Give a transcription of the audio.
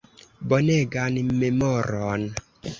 Bonegan memoron.